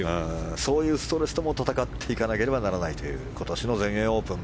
そういうストレスとも戦っていかなければならないという今年の全英オープン。